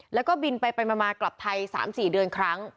แล้วก็บินไปมากลับไทย๓๔เดือนครั้ง